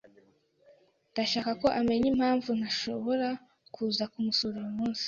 Ndashaka ko amenya impamvu ntashobora kuza kumusura uyu munsi.